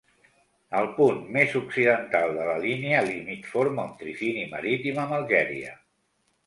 El punt més occidental de la línia límit forma un trifini marítim amb Algèria.